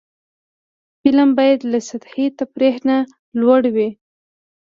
فلم باید له سطحي تفریح نه لوړ وي